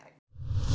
di luar sana ya